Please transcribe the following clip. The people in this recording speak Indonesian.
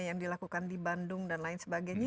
yang dilakukan di bandung dan lain sebagainya